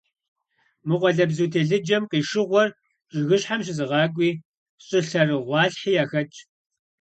Мы къуалэбзу телъыджэм къишыгъуэр жыгыщхьэм щызыгъакӀуи щӀылъэрыгъуалъхьи яхэтщ.